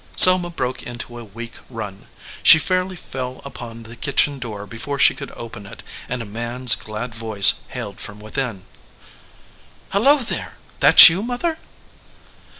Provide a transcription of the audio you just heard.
Selma broke into a weak run. She fairly fell 159 EDGEWATER PEOPLE upon the kitchen door before she could open it, and a man s glad voice hailed from within: "Hello, there ! That you, mother?"